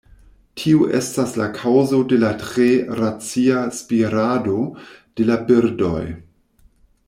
Tio estas la kaŭzo de la tre racia spirado de la birdoj.